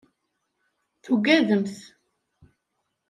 Tuggademt.